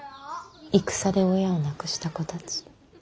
戦で親を亡くした子たち。